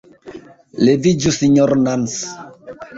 Leviĝu, Sinjoro Nans!